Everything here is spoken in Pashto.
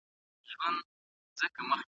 که تکرار وي نو درس نه هېریږي.